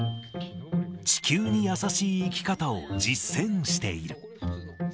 地球に優しい生き方を実践している。